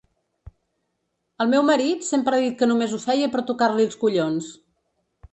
El meu marit sempre ha dit que només ho feia per tocar-li els collons.